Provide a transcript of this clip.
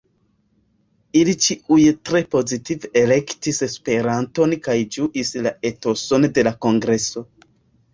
Ili ĉiuj tre pozitive elektis Esperanton kaj ĝuis la etoson de la kongreso.